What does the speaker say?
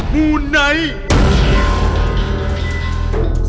มูไนท์